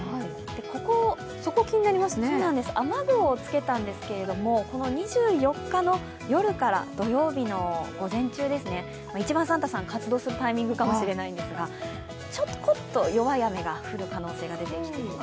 ここ、雨具をつけたんですけれども２４日の夜から土曜日の午前中ですね、一番サンタさんが活動するタイミングかもしれないんですがちょこっと弱い雨が降る可能性が出てきています。